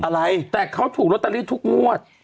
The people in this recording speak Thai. อะไรแต่เขาถูกรถตะลิททุกงวด